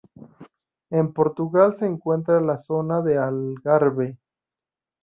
En Portugal se encuentra en la zona del Algarve.